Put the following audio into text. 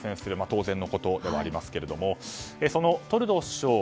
当然のことではありますけれどもそのトルドー首相。